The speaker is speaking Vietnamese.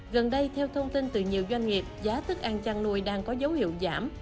gần đây theo thông tin từ nhiều doanh nghiệp giá thức ăn chăn nuôi đang có dấu hiệu giảm